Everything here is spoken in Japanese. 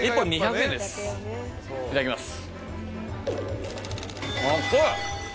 いただきます。